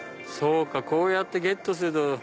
そうかこうやってゲットすると。